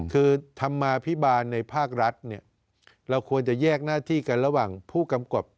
คือธรรมาภิบาลในภาครัฐเนี่ยเราควรจะแยกหน้าที่กันระหว่างผู้กำกับ